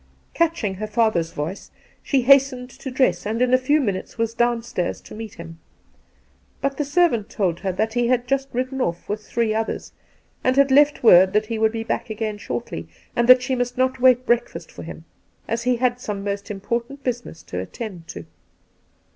Catching her father's voice, she hastened to dress, and in a few minutes was downstairs to meet him; but the servant told her that he had just ridden off with three others, and had left word that he would be back again shortly, and that she must not wait breakfast for him, as he had some most important business to attend to.